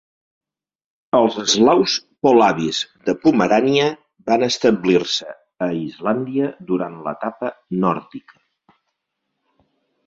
Els eslaus polabis de Pomerània van establir-se a Islàndia durant l'etapa nòrdica.